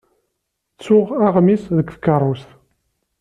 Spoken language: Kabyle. Ttuɣ aɣmis deg tkeṛṛust.